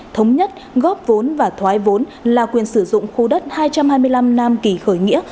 thống nhất góp vốn và thoái vốn là quyền sử dụng khu đất hai trăm hai mươi năm nam kỳ khởi nghĩa